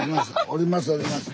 降ります。